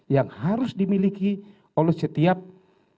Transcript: yang harus dimiliki oleh setiap negara